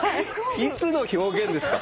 いつの表現ですか。